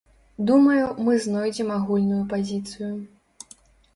Думаю, мы знойдзем агульную пазіцыю.